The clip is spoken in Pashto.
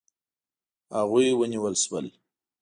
هغوی ونیول شول.